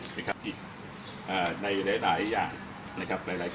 เกิดผิดในหลายอย่างมาตรา